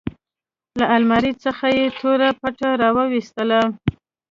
له المارۍ څخه يې توره پټۍ راوايستله.